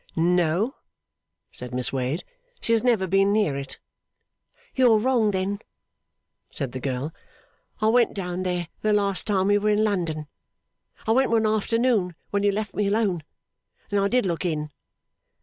'No,' said Miss Wade. 'She has never been near it.' 'You are wrong, then,' said the girl. 'I went down there the last time we were in London. I went one afternoon when you left me alone. And I did look in.